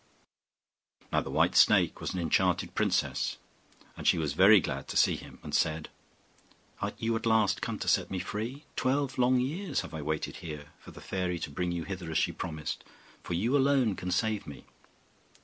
Now the white snake was an enchanted princess; and she was very glad to see him, and said, 'Are you at last come to set me free? Twelve long years have I waited here for the fairy to bring you hither as she promised, for you alone can save me.